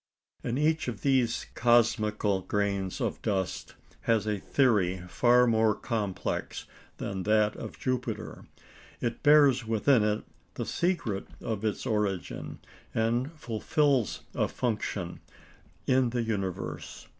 And each of these cosmical grains of dust has a theory far more complex than that of Jupiter; it bears within it the secret of its origin, and fulfils a function in the universe.